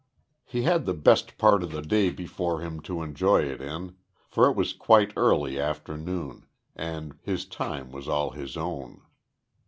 He had the best part of the day before him to enjoy it in, for it was quite early afternoon, and his time was all his own.